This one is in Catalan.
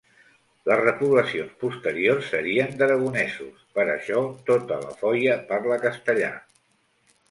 Les repoblacions posteriors serien d'aragonesos, per això tota La Foia parla castellà.